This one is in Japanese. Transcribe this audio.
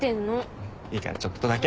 いいからちょっとだけ。